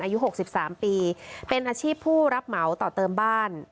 อายุ๖๓ปีเป็นอาชีพผู้รับเหมาต่อเติมบ้าน